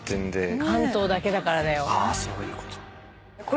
そういうこと。